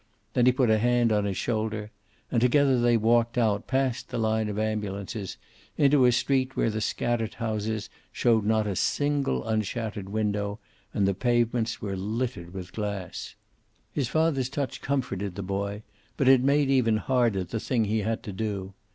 Then he put a hand on his shoulder, and together they walked out, past the line of ambulances, into a street where the scattered houses showed not a single unshattered window, and the pavements were littered with glass. His father's touch comforted the boy, but it made even harder the thing he had to do.